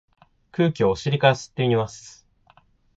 空気をお尻から吸ってみます。